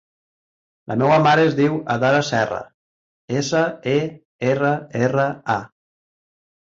La meva mare es diu Adhara Serra: essa, e, erra, erra, a.